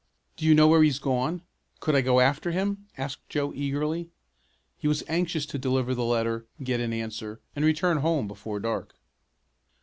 "Do you know where he's gone? Could I go after him?" asked Joe eagerly. He was anxious to deliver the letter, get an answer, and return home before dark.